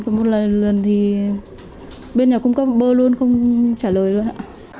một lần thì bên nhà cung cấp bơ luôn không trả lời luôn ạ